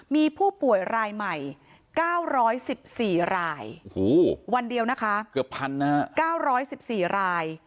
มีผู้ป่วยรายใหม่๙๑๔รายวันเดียวนะคะ๙๑๔ราย